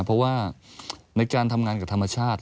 เพราะว่าในการทำงานกับธรรมชาติ